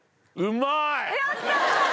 やったー！